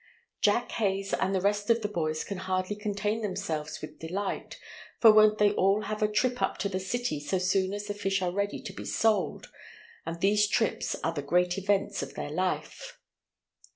Jack Hays and the rest of the boys can hardly contain themselves with delight, for won't they all have a trip up to the city so soon as the fish are ready to be sold, and these trips are the great events of their life.